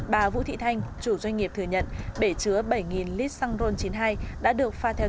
bà vũ thị thanh chủ doanh nghiệp thừa nhận bể chứa bảy lít xăng ron chín mươi hai đã được pha theo